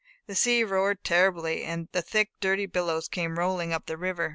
The sea roared terribly, and thick dirty billows came rolling up the river.